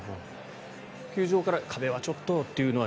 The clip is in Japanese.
球場から壁はちょっとというのは？